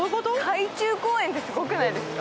海中公園って、すごくないですか？